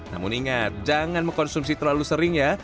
namun ingat jangan mengkonsumsi terlalu sering ya